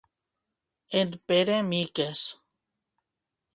En Pere miques.